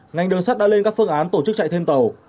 ngành nội sát đã lên các phương án tổ chức chạy thêm tẩu